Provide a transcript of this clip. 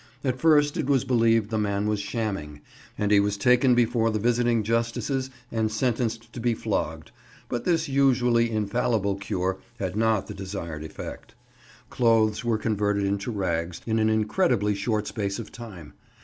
At first it was believed the man was shamming, and he was taken before the visiting justices and sentenced to be flogged, but this usually infallible cure had not the desired effect. Clothes were converted into rags in an incredibly short space of time.